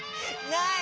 ない！